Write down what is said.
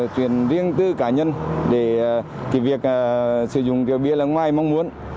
chuyển riêng tư cá nhân để việc sử dụng kiểu bia là ngoài mong muốn